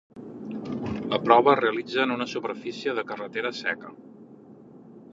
La prova es realitza en una superfície de carretera seca.